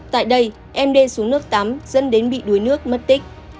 tại đây m d xuống nước tắm dẫn đến bị đuối nước mất tích